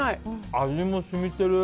味も染みてる！